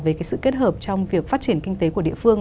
về cái sự kết hợp trong việc phát triển kinh tế của địa phương